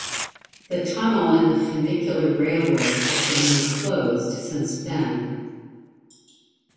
The tunnel and the funicular railway has remained closed since then.